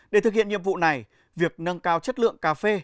để thực hiện nhiệm vụ này việc nâng cao chất lượng cà phê